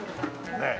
ねえ。